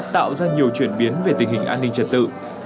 tạo ra nhiều chuyển biến về tình hình an ninh trật tự